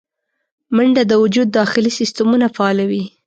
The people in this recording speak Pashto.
منډه د وجود داخلي سیستمونه فعالوي